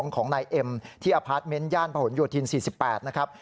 ของนายเอ็มที่อพาร์ทเมนต์ย่านผนโยธิน๔๘นะครับ